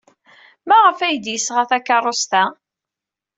Maɣef ay d-yesɣa takeṛṛust-a?